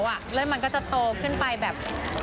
แล้วมันก็จะโตขึ้นไปแบบ